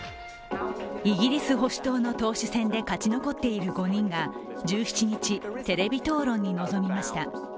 イギリス保守党の党首選で勝ち残っている５人が、１７日、テレビ討論に臨みました。